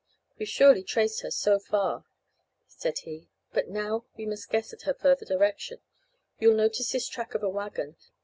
"We've surely traced her so far," said he, "but now we must guess at her further direction. You'll notice this track of a wagon.